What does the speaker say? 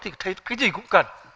thì thấy cái gì cũng cần